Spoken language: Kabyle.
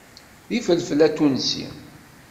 D ifelfel atunsi.